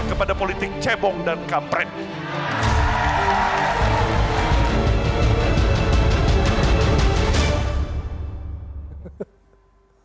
kepada politik cebong dan kampret